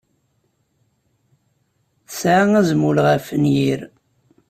Tesɛa azmul ɣef wenyir.